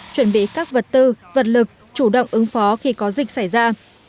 chuẩn bị các vật tư vật lực chủ động ứng phó khi có dịch xảy ra